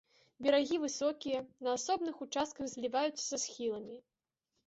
Берагі высокія, на асобных участках зліваюцца са схіламі.